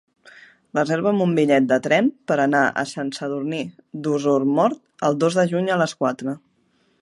Reserva'm un bitllet de tren per anar a Sant Sadurní d'Osormort el dos de juny a les quatre.